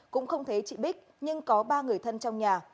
cũng không thấy chị bích nhưng có ba người thân trong nhà